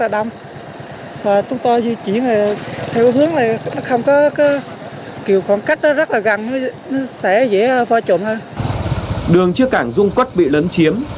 đường trước cảng dung quốc bị lấn chiếm